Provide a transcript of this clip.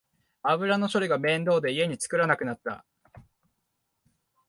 油の処理が面倒で家で作らなくなった